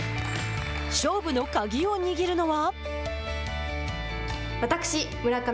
勝負の鍵を握るのは。